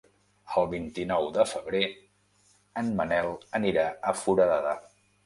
El vint-i-nou de febrer en Manel anirà a Foradada.